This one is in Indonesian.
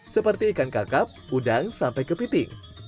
seperti ikan kakap udang sampai kepiting